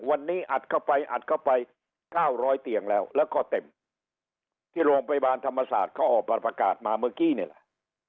วันนี้อัดเข้าไปอัดเข้าไป๙๐๐เตียงแล้วแล้วก็เต็มที่โรงพยาบาลธรรมศาสตร์เขาออกมาประกาศมาเมื่อกี้นี่แหละ